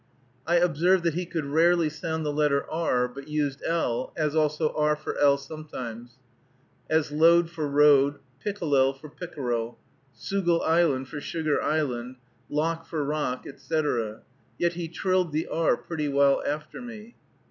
I observed that he could rarely sound the letter r, but used l, as also r for l sometimes; as load for road, pickelel for pickerel, Soogle Island for Sugar Island, lock for rock, etc. Yet he trilled the r pretty well after me.